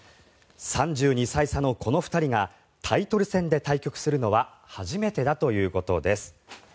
３２歳差のこの２人がタイトル戦で対局するのは初めてだということです。